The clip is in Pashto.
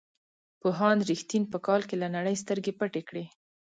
پوهاند رښتین په کال کې له نړۍ سترګې پټې کړې.